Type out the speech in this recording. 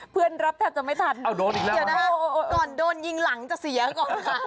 เพื่อนรับแทนเดี๋ยวไม่ถันนะก่อนโดนยิงหลังจะเสียก้าว